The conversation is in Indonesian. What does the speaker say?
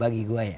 bagi gue ya